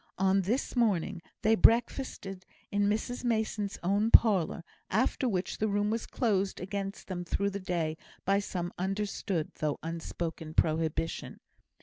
On this morning they breakfasted in Mrs Mason's own parlour, after which the room was closed against them through the day by some understood, though unspoken prohibition.